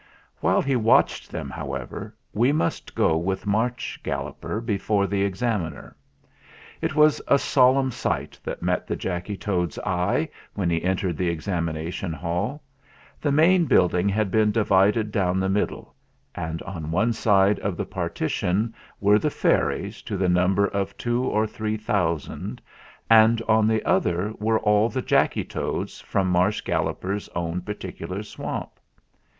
While he watched them, however, we must go with Marsh Galloper before the Examiner. THE EXAMINATION 233 It was a solemn sight that met the Jacky Toad's eyes when he entered the Examination Hall. The main building had been divided down the middle, and on one side of the parti tion were the fairies to the number of two or three thousand; and on the other were all the Jacky Toads from Marsh Galloper's own par ticular swamp.